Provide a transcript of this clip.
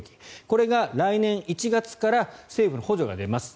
これが来年１月から政府の補助が出ます。